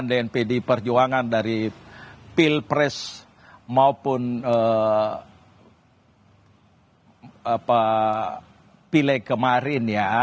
dan pdip perjuangan dari pilpres maupun pileg kemarin ya